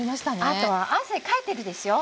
あと汗かいてるでしょ？